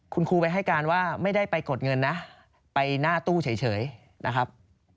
คุณครูไปให้การว่าไม่ได้ไปกดเงินนะไปหน้าตู้เฉยนะครับ